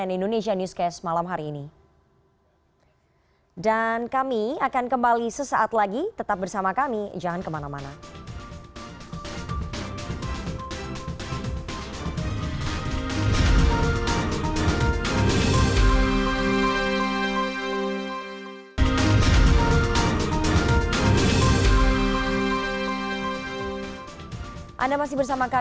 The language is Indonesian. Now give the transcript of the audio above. itu beliau sampaikan sama seperti yang beliau katakan tadi